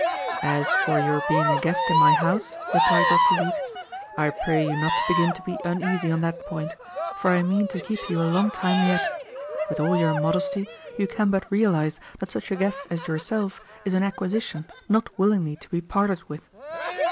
"As for your being a guest in my house," replied Dr. Leete, "I pray you not to begin to be uneasy on that point, for I mean to keep you a long time yet. With all your modesty, you can but realize that such a guest as yourself is an acquisition not willingly to be parted with."